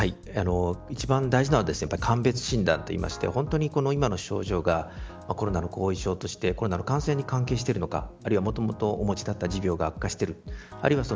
一番大事なのは鑑別診断といって本当に今の症状がコロナの後遺症としてコロナの感染に関連しているのかあるいは、もともとの持病が悪化している。